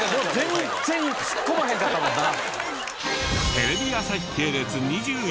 全然ツッコまへんかったもんな。